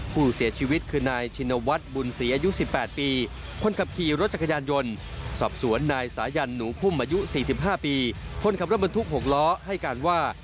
ผู้เสียชีวิตคือนายชินวัฒน์บุญศรีอายุ๑๘ปีคนขับขี่รถจักรยานยนต์สอบสวนนายสายันหนูพุ่มอายุ๔๕ปีคนขับรถบรรทุก๖ล้อให้การว่า